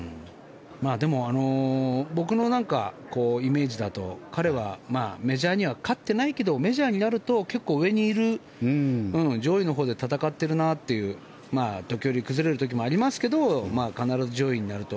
でも僕のイメージだと彼はメジャーには勝ってないけどメジャーになると結構上にいる上位のほうで戦っているなっていう時折崩れる時もありますが必ず上位になると。